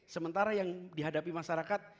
sementara yang dihadapi masyarakat